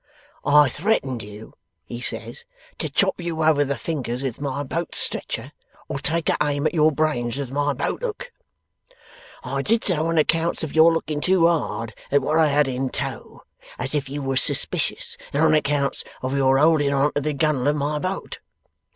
"I threatened you," he says, "to chop you over the fingers with my boat's stretcher, or take a aim at your brains with my boathook. I did so on accounts of your looking too hard at what I had in tow, as if you was suspicious, and on accounts of your holding on to the gunwale of my boat."